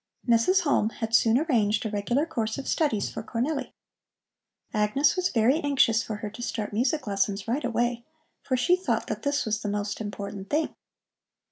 Mrs. Halm had soon arranged a regular course of studies for Cornelli. Agnes was very anxious for her to start music lessons right away, for she thought that that was the most important thing.